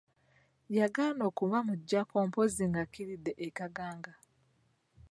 Yagaana okubamuggyako mpozzi ng'akkiridde e Kaganga.